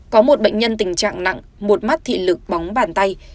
có một bệnh nhân tình trạng nặng một mắt thị lực bóng bàn tay